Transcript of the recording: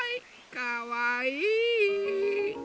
かわいい！